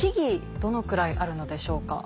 どのくらいあるのでしょうか？